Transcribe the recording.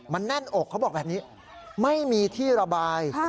มันแน่นอกเขาบอกแบบนี้ไม่มีที่ระบาย